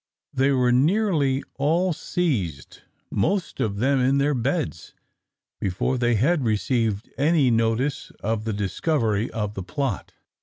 They were nearly all seized, most of them in their beds, before they had received any notice of the discovery of the plot.